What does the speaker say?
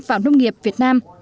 vào nông nghiệp việt nam